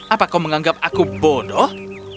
apa kau menganggap aku bodoh